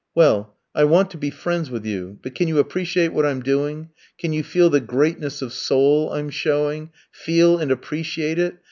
"Well, I want to be friends with you. But can you appreciate what I'm doing? Can you feel the greatness of soul I'm showing feel and appreciate it?